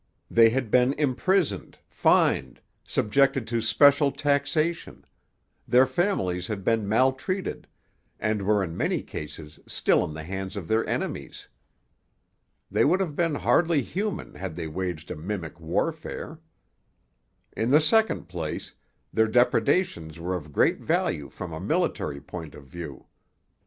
They had been imprisoned, fined, subjected to special taxation; their families had been maltreated, and were in many cases still in the hands of their enemies. They would have been hardly human had they waged a mimic warfare. In the second place, their depredations were of great value from a military point of view.